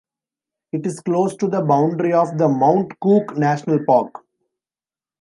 It is close to the boundary of the Mount Cook National Park.